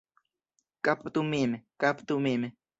Kaptu min, kaptu min!